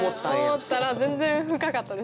思ったら全然深かったです。